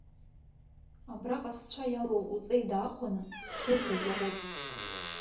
Абраҟа сцәа иалоу уҵеи даахәаны суҳәоит, уаҟәыҵ!